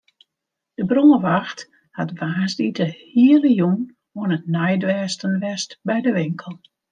De brânwacht hat woansdei de hiele jûn oan it neidwêsten west by de winkel.